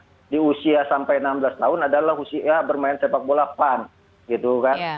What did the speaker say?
padahal mereka di usia sampai enam belas tahun adalah usia bermain sepak bola fun